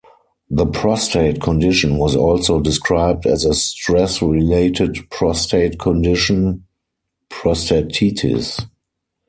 The prostate condition was also described as a stress-related prostate condition, prostatitis.